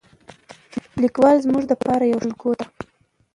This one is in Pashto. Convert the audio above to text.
لیکوال زموږ لپاره یو ښه الګو دی.